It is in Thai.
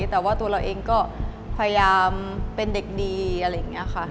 แต่ว่าตัวเราเองก็พยายามเป็นเด็กดีอะไรอย่างนี้ค่ะ